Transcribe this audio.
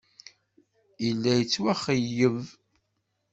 Yella yettwaxeyyeb.